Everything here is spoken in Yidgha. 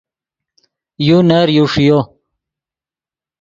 یو نر یو ݰیو